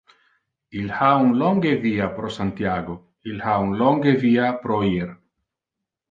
Il ha un longe via pro Santiago, il ha un longe via pro ir!